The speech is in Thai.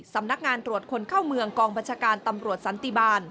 สำนักงานตรวจคนเข้าเมืองกองบัญชาการตำรวจสันติบาล